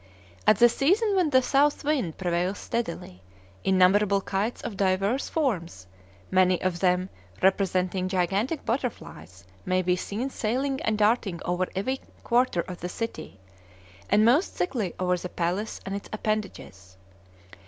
At the season when the south wind prevails steadily, innumerable kites of diverse forms, many of them representing gigantic butterflies, may be seen sailing and darting over every quarter of the city, and most thickly over the palace and its appendages.